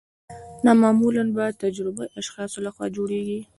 دا معمولا د با تجربه اشخاصو لخوا جوړیږي.